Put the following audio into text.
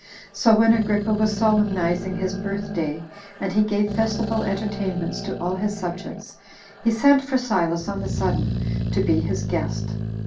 So when Agrippa was solemnizing his birth day, and he gave festival entertainments to all his subjects, he sent for Silas on the sudden to be his guest.